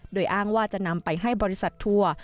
โดยอ้างว่าจะนำไปให้บริษัททัวร์